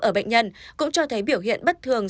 ở bệnh nhân cũng cho thấy biểu hiện bất thường